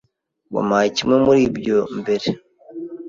Wampaye kimwe muri ibyo mbere.